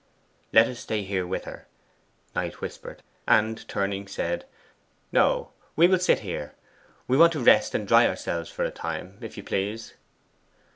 'Let us stay here with her,' Knight whispered, and turning said, 'No; we will sit here. We want to rest and dry ourselves here for a time, if you please.